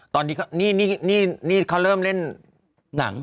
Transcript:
ตอนนี้นี่เขาเริ่มเล่นหนัง